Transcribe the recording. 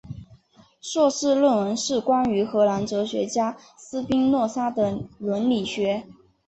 硕士论文是关于荷兰哲学家斯宾诺莎的伦理学。